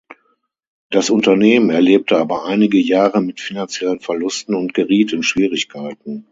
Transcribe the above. Das Unternehmen erlebte aber einige Jahre mit finanziellen Verlusten und geriet in Schwierigkeiten.